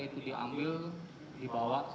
itu diambil dibawa